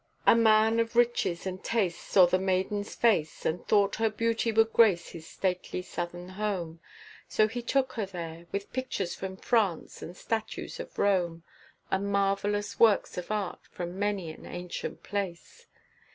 A man of riches and taste saw the maiden's face, And thought her beauty would grace his stately southern home, So he took her there, with pictures from France, and statues from Rome, And marvellous works of art from many an ancient place.